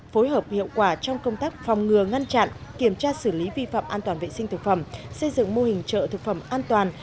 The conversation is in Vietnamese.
phối hợp hiệu quả trong công tác phòng ngừa ngăn chặn kiểm tra xử lý vi phạm an toàn vệ sinh thực phẩm xây dựng mô hình chợ thực phẩm an toàn